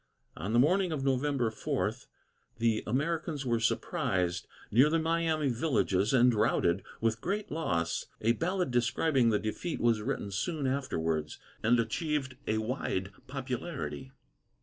On the morning of November 4, the Americans were surprised near the Miami villages, and routed, with great loss. A ballad describing the defeat was written soon afterwards, and achieved a wide popularity.